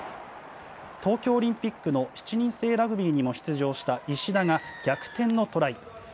東京オリンピックの７人制ラグビーにも出場した石田が逆転のトライ。